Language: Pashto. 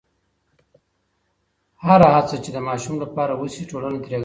هره هڅه چې د ماشوم لپاره وشي، ټولنه ترې ګټه اخلي.